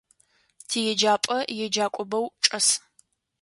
Тиеджапӏэ еджакӏо бэу чӏэс.